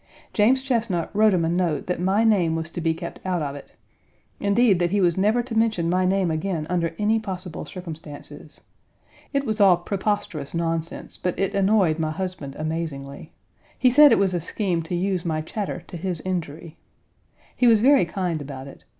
James Chesnut wrote him a note that my name was to be kept out of it indeed, that he was never to mention my name again under any possible circumstances. It was all preposterous nonsense, but it annoyed my husband amazingly. He said it was a scheme to use my chatter to his injury. He was very kind about it.